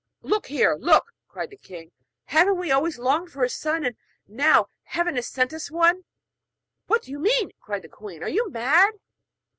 'Look here! look!' cried the king, 'haven't we always longed for a son? And now heaven has sent us one!' 'What do you mean?' cried the queen. 'Are you mad?'